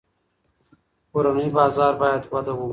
کورني بازار باید وده ومومي.